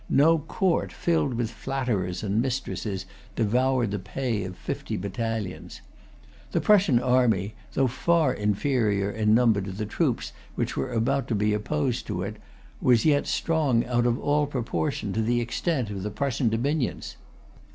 No court, filled with flatterers and mistresses, devoured the pay of fifty battalions. The Prussian army, though far inferior in number to the troops which were about to be opposed to it, was yet strong out of all proportion to the extent of the Prussian dominions.